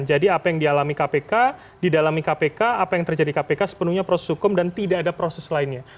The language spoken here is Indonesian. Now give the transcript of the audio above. jadi apa yang dialami kpk didalami kpk apa yang terjadi di kpk sepenuhnya proses hukum dan tidak ada proses lainnya